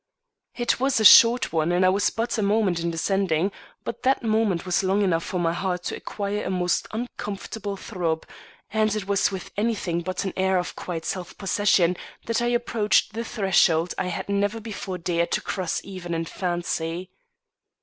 It was a short one and I was but a moment in descending, but that moment was long enough for my heart to acquire a most uncomfortable throb, and it was with anything but an air of quiet self possession that I approached the threshold I had never before dared to cross even in fancy.